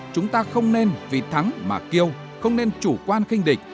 chúng ta không nên vì thắng mà kêu không nên chủ quan khinh địch